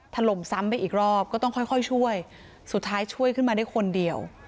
ถล่มซ้ำไปอีกรอบก็ต้องค่อยค่อยช่วยสุดท้ายช่วยขึ้นมาได้คนเดียว